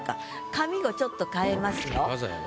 上五ちょっと変えますよ。